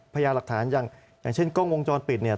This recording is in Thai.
พยายามหลักฐานอย่างเช่นกล้องวงจรปิดเนี่ย